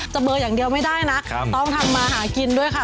เบอร์อย่างเดียวไม่ได้นะต้องทำมาหากินด้วยค่ะ